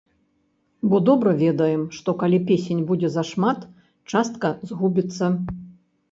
Бо добра ведаем, што калі песень будзе зашмат, частка згубіцца.